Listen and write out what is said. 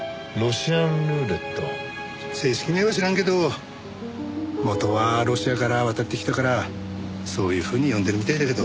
正式名は知らんけど元はロシアから渡ってきたからそういうふうに呼んでるみたいだけど。